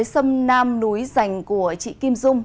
sâm nam núi rành của chị kim dung